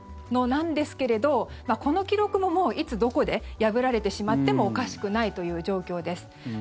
なんですけれど、この記録ももういつどこで破られてしまってもおかしくないという状況です。